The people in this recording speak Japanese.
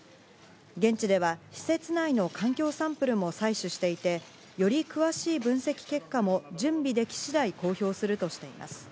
現地では施設内の環境サンプルも採取していて、より詳しい分析結果も準備でき次第、公表するとしています。